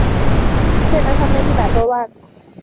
欠了他们一百多万